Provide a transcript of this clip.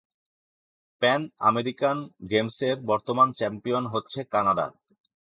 Pan American গেমসের বর্তমান champion হচ্ছে কানাডা।